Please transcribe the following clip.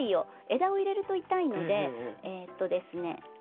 枝を入れると痛いのでえとですね